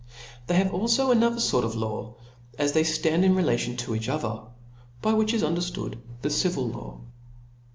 They have alfo another fort of laws, as they ftand in relation to each other ; by which is underftood the civil law